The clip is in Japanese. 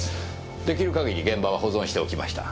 出来る限り現場は保存しておきました。